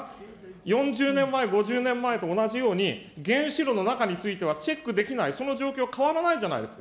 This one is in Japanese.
４０年前、５０年前と同じように、原子炉の中についてはチェックできない、その状況、変わらないじゃないですか。